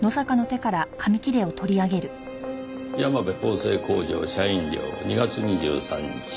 「山辺縫製工場社員寮２月２３日」